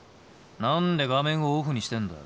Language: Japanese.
何で画面をオフにしてんだよ。